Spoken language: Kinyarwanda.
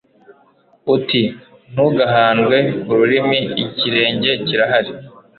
uti «ntugahandwe ku rurimi, ikirenge kirahari»